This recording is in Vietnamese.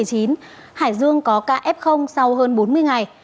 hải dương có ca f sau hơn bốn mươi ngày